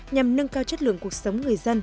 nhằm nâng cao chất lượng cuộc sống người dân